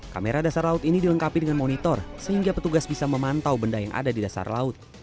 kamera dasar laut ini dilengkapi dengan monitor sehingga petugas bisa memantau benda yang ada di dasar laut